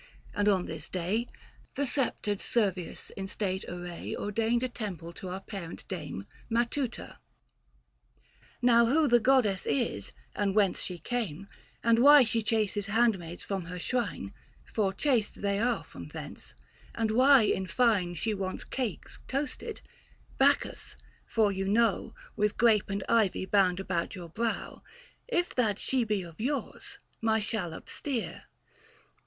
And on this day The sceptred Servius in state array o 194 THE FASTI. Book VI. Ordained a temple to our parent dame, 570 Matuta. Now who the goddess is, and whence she came, And why she chases handmaids from her shrine — For chased they are from thence — and why, in fine, She wants cates toasted — Bacchus, for you know, 575 With grape and ivy bound about your brow ; If that she be of yours, my shallop steer.